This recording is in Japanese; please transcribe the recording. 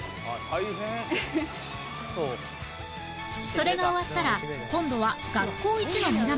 それが終わったら今度は学校一の目玉